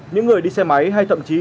những người đi xe máy hay thậm chí